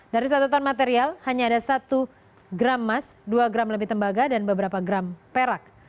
dari satu ton material hanya ada satu gram emas dua gram lebih tembaga dan beberapa gram perak